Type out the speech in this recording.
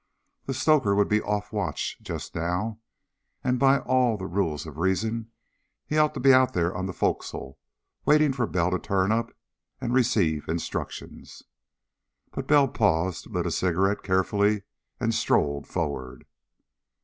The stoker would be off watch, just now, and by all the rules of reason he ought to be out there on the forecastle, waiting for Bell to turn up and receive instructions. But Bell paused, lit a cigarette carefully, and strolled forward.